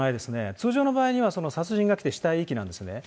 通常の場合には、殺人がきて死体遺棄なんですね。